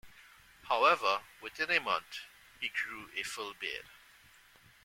However, within a month, he grew a full beard.